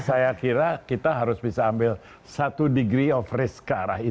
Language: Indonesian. saya kira kita harus bisa ambil satu degree of risk arahnya